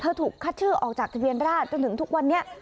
ถูกคัดชื่อออกจากทะเบียนราชจนถึงทุกวันนี้